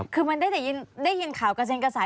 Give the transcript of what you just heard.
คือได้ยินข่าวกระเศียรกระสาท